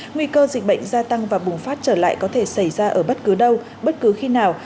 nguy cơ dịch bệnh gia tăng và bùng phát trở lại có thể xảy ra ở bất cứ đâu bất cứ khi nào